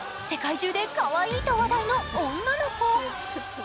世界中でかわいいと話題の女の子。